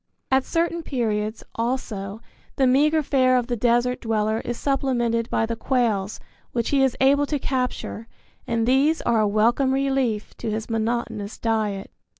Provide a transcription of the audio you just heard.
At certain periods, also, the meagre fare of the desert dweller is supplemented by the quails which he is able to capture and these are a welcome relief to his monotonous diet.